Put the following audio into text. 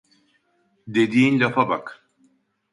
Dediğin lafa bak